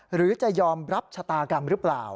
หรือจะยอมรับชะตากรรมหรือเปล่า